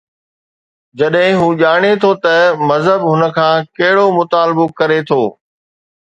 جڏهن هو ڄاڻي ٿو ته مذهب هن کان ڪهڙو مطالبو ڪري ٿو؟